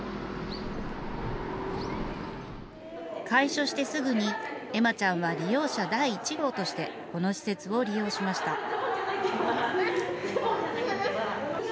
開所してすぐに、恵麻ちゃんは利用者第１号として、この施設を利用しました。